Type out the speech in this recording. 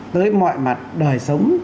tới mọi mặt đời sống